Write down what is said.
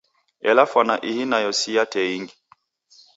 Ela fwana ihi nayo si ya tee ingi.